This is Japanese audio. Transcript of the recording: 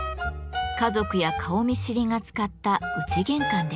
家族や顔見知りが使った「内玄関」です。